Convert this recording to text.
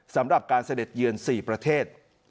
สำหรับการเสด็จเยือน๔ประเทศ